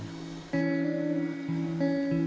sampai ketemu di video selanjutnya